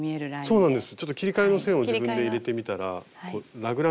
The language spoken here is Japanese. そうなんです。